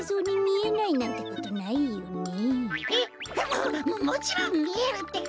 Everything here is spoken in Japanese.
えっ？ももちろんみえるってか。